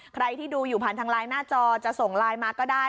ใครที่ดูอยู่ผ่านทางไลน์หน้าจอจะส่งไลน์มาก็ได้